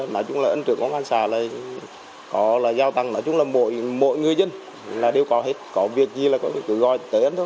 nói chung là anh trưởng công an xã là có là giao tăng nói chung là mỗi người dân là đều có hết có việc gì là có cái gọi